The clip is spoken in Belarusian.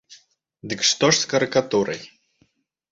Дык што ж з карыкатурай?